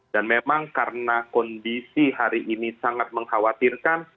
dan memang karena kondisi hari ini sangat mengkhawatirkan